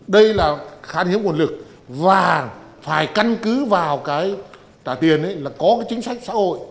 đây là khan hiếm nguồn lực và phải căn cứ vào cái trả tiền là có cái chính sách xã hội